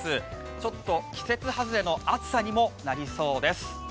ちょっと季節はずれの暑さにもなりそうです。